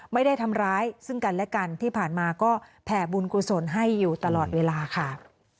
ไม่ได้ทำร้ายซึ่งกันและกันที่ผ่านมาก็แผ่บุญกุศลให้อยู่ตลอดเวลาค่ะ